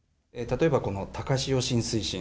例えば、この高潮浸水深。